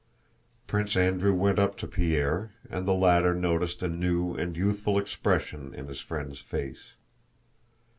Prince Andrew went up to Pierre, and the latter noticed a new and youthful expression in his friend's face.